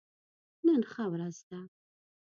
نن ښه ورځ ده